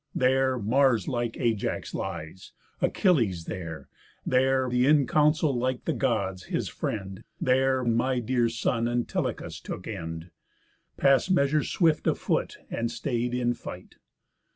There Mars like Ajax lies; Achilles there; There the in counsel like the Gods, his friend; There my dear son Antilochus took end, Past measure swift of foot, and staid in fight.